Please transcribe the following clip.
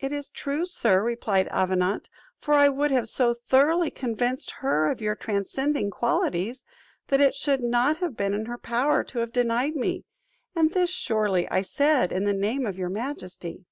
"It is true, sir," replied Avenant, "for I would have so thoroughly convinced her of your transcending qualities, that it should not have been in her power to have denied me; and this, surely, I said in the name of your majesty."